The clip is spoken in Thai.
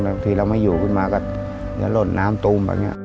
ถึงเราไม่อยู่ขึ้นมาก็จะลดน้ำตูม